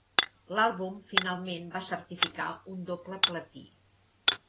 L'àlbum finalment va certificar un doble platí.